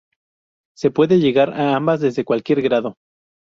Se puede llegar a ambas desde cualquier grado.